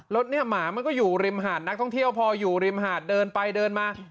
แล้วเนี่ยหมามันก็อยู่ริมหาดนักท่องเที่ยวพออยู่ริมหาดเดินไปเดินมา